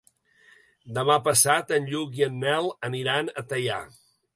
Demà passat en Lluc i en Nel aniran a Teià.